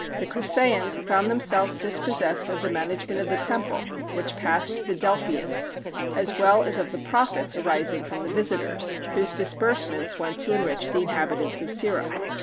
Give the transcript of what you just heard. The Crissæans found themselves dispossessed of the management of the temple, which passed to the Delphians; as well as of the profits arising from the visitors, whose disbursements went to enrich the inhabitants of Cirrha.